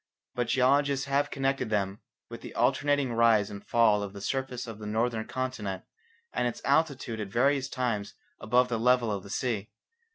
But geologists have connected them with the alternating rise and fall of the surface of the northern continent and its altitude at various times above the level of the sea.